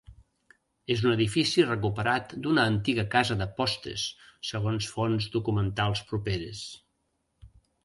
És un edifici recuperat d'una antiga casa de postes, segons fons documentals properes.